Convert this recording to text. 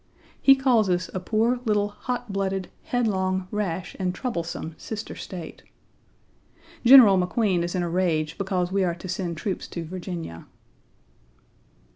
He calls us a poor, little, hot blooded, headlong, rash, and troublesome sister State. General McQueen is in a rage because we are to send troops to Virginia.